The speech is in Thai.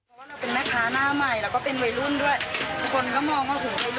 เออเสื้อใส่เดี่ยวอย่างเงี้ย